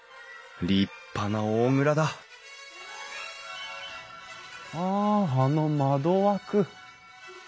立派な大蔵だああの窓枠。